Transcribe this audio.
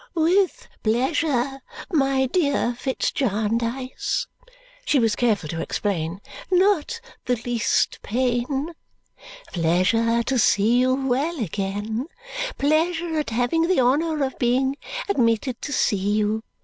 "With pleasure, my dear Fitz Jarndyce," she was careful to explain. "Not the least pain. Pleasure to see you well again. Pleasure at having the honour of being admitted to see you.